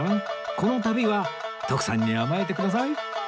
この旅は徳さんに甘えてください